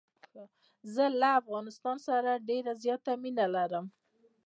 زه له افغانستان سره ډېره زیاته مینه لرم.